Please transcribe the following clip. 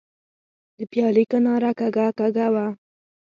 د پیالې کناره لږه کږه وه.